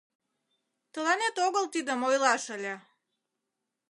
— Тыланет огыл тидым ойлаш ыле!